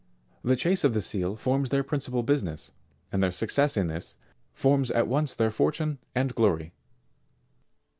The chase of the seal forms their principal busi ness, and their success in this, forms at once their fortune and glory.